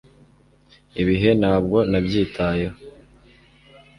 ibihe ntabwo nabyitayeho